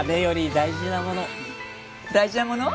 大事なもの？